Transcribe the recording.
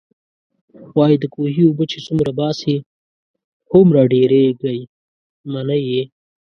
وايي د کوهي اوبه چې څومره باسې، هومره ډېرېږئ. منئ يې؟